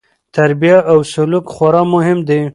تربیه او سلوک خورا مهم دي.